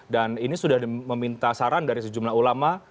dan ini sudah meminta saran dari sejumlah ulama